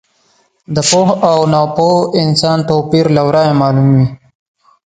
د پوه او ناپوه انسان توپیر له ورایه معلوم وي.